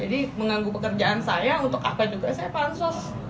jadi menganggu pekerjaan saya untuk kaget juga saya pangsos